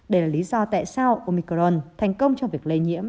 đây là lý do tại sao omicron thành công cho việc lây nhiễm